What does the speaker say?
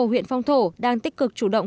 huyện phong thổ đang tích cực chủ động